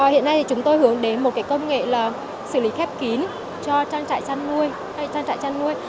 hiện nay chúng tôi hướng đến một công nghệ xử lý khép kín cho trang trại chăn nuôi